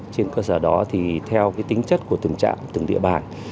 trên cơ sở đó thì theo tính chất của từng trạng từng địa bàn